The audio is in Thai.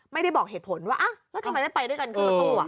ไม่ได้บอกเหตุผลว่าอ้าวแล้วทำไมไม่ไปด้วยกันขึ้นรถตู้